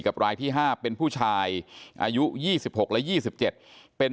กับรายที่ห้าเป็นผู้ชายอายุยี่สิบหกและยี่สิบเจ็ดเป็น